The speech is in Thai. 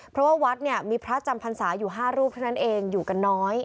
เพราะว่าวัดเนี่ยมีพระจำพรรษาอยู่๕รูปเท่านั้นเองอยู่กันน้อย